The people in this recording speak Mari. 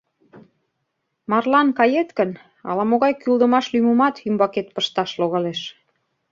Марлан кает гын, ала-могай кӱлдымаш лӱмымат ӱмбакет пышташ логалеш...